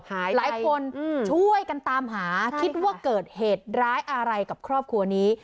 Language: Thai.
หลายคนช่วยกันตามหาคิดว่าเกิดเหตุร้ายอะไรกับครอบครัวนี้